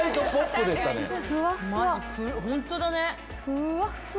ふわふわ！